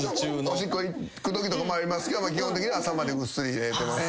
おしっこ行くときとかもありますけど基本的には朝までぐっすり寝れてます。